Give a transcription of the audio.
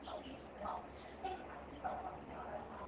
现任董事长为温世仁长子温泰钧。